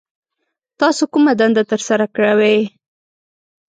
تاسو کومه دنده ترسره کوي